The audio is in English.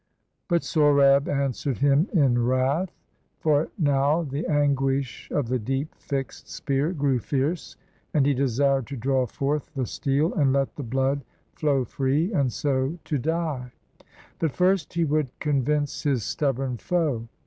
But Sohrab answer'd him in wrath ; for now The anguish of the deep fix'd spear grew fierce, And he desir'd to draw forth the steel, And let the blood flow free, and so to die; But first he would convince his stubborn foe.